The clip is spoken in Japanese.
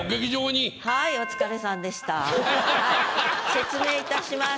説明いたします。